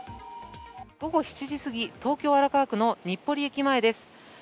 午後７時すぎ、東京・荒川区の日暮里駅前です。